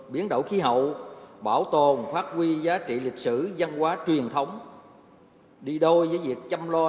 biến đổi khí hậu bảo tồn phát huy giá trị lịch sử văn hóa truyền thống đi đôi với việc chăm lo